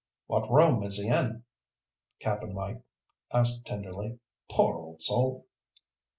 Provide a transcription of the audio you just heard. "What room is he in?" Cap'n Mike asked tenderly. "Poor old soul."